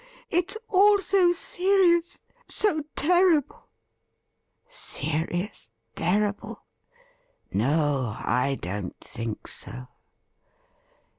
it's all so serious — so terrible.' ' Serious ? terrible ? No, I don't think so.